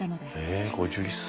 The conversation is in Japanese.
え５１歳。